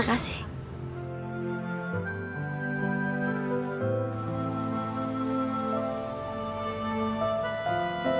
gak usah nya